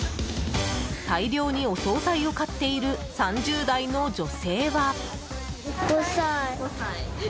大量にお総菜を買っている３０代の女性は。